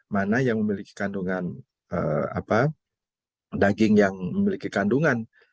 mana yang memiliki kandungan daging yang memiliki kandungan